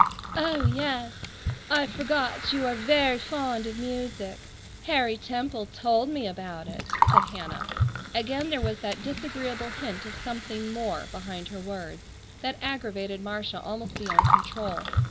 "Oh, yes, I forgot you are very fond of music. Harry Temple told me about it," said Hannah. Again there was that disagreeable hint of something more behind her words, that aggravated Marcia almost beyond control.